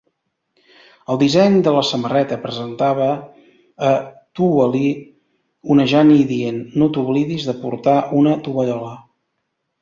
El disseny de la samarreta presentava a Towelie onejant i dient "No t'oblidis de portar una tovallola!".